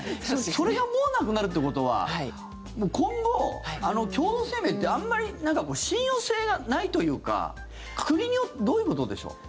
それがもうなくなるってことは今後、共同声明ってあまり信用性がないというかどういうことでしょう？